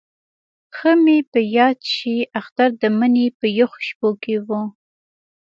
ښه مې په یاد شي اختر د مني په یخو شپو کې وو.